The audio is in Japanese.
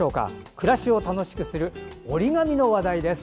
暮らしを楽しくする折り紙の話題です。